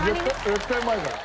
絶対うまいから。